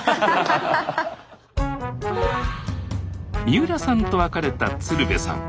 三浦さんと別れた鶴瓶さん。